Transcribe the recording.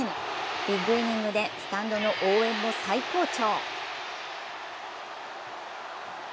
ビッグイニングでスタンドの応援も最高潮。